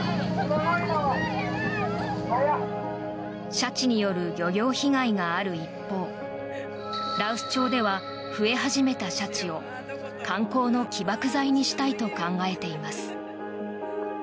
シャチによる漁業被害がある一方羅臼町では増え始めたシャチを観光の起爆剤にしたいと考えています。